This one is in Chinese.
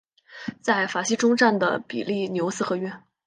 在法西终战的比利牛斯和约。